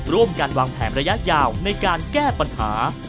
ร่วมกันวางแผนระยะยาวในการแก้ปัญหา